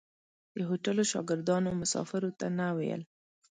د هوټلو شاګردانو مسافرو ته نه ویل.